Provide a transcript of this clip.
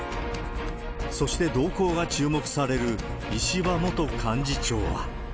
そして動向が注目される石破元幹事長は。